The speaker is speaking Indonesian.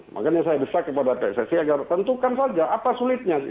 makanya saya desak kepada pssi agar tentukan saja apa sulitnya